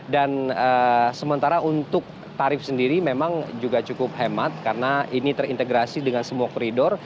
dan sementara untuk tarif sendiri memang juga cukup hemat karena ini terintegrasi dengan semua corridor